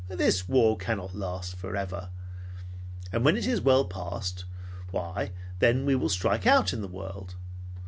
This war cannot last forever, and when it is well past, why, then we will strike out in the world.